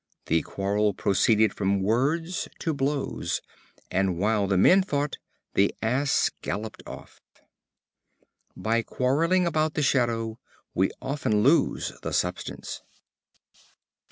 The quarrel proceeded from words to blows, and while the men fought the Ass galloped off. In quarreling about the shadow we often lose the substance.